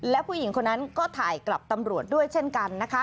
และผู้หญิงคนนั้นก็ถ่ายกลับตำรวจด้วยเช่นกันนะคะ